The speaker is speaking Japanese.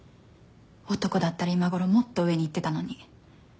男だったら今ごろもっと上に行ってたのに。